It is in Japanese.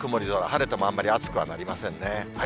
晴れてもあんまり暑くはなりませんね。